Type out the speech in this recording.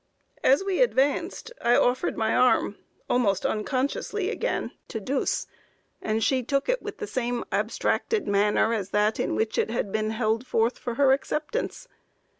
As we advanced, I offered my arm, almost unconsciously again to Dus, and she took it with the same abstracted manner as that in which it had been held forth for her acceptance.